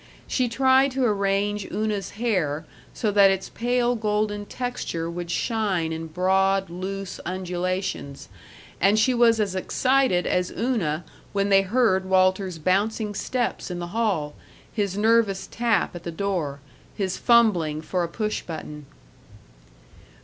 She tried to arrange Una's hair so that its pale golden texture would shine in broad, loose undulations, and she was as excited as Una when they heard Walter's bouncing steps in the hall, his nervous tap at the door, his fumbling for a push button.